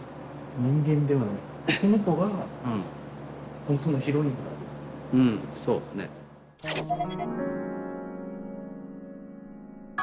人間ではないこの子が本当のヒロインだった？